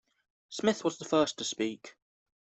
Smith was the first to speak.